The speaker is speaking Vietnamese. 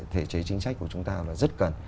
thể chế chính sách của chúng ta là rất cần